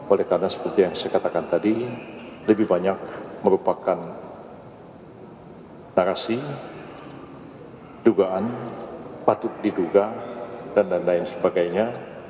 oleh karena seperti yang saya katakan tadi lebih banyak merupakan narasi dugaan patut diduga dan lain sebagainya